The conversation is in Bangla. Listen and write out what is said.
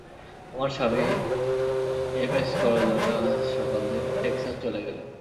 আমার স্বামী এমএস করার জন্যে আজ সকালে টেক্সাস চলে গেলেন।